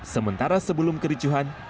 sementara sebelum kericuhan